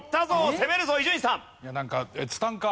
攻めるぞ伊集院さん。